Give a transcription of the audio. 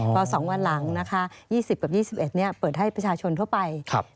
พอสองวันหลัง๒๐กับ๒๑นี้เปิดให้ประชาชนทั่วไป